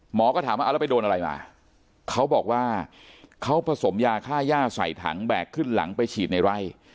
หมอก็ถามว่าเอาแล้วไปโดนอะไรมาเขาบอกว่าเขาผสมยาค่าย่าใส่ถังแบกขึ้นหลังไปฉีดในไร่